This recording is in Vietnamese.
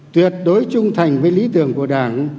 tuyệt đối trung thành với lý tưởng của đảng